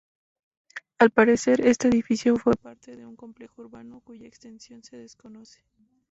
Al parecer, este edificio fue parte de un complejo urbano, cuya extensión se desconoce.